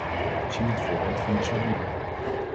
Zie het voorbeeld van de sardine.